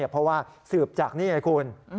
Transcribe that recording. เพราะว่าสืบจากนี่ไงคุณ